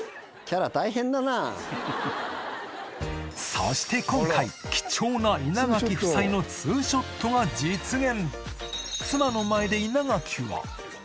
そして今回貴重なツーショットが実現